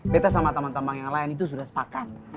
beta sama teman teman yang lain itu sudah sepakan